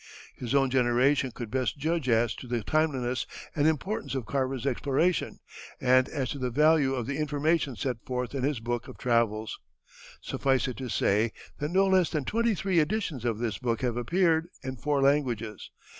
His own generation could best judge as to the timeliness and importance of Carver's exploration, and as to the value of the information set forth in his book of travels. Suffice it to say that no less than twenty three editions of this book have appeared, in four languages.